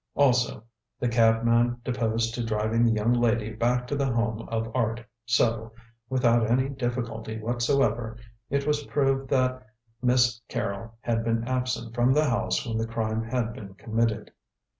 Also, the cabman deposed to driving the young lady back to The Home of Art, so, without any difficulty whatsoever, it was proved that Miss Carrol had been absent from the house when the crime had been committed.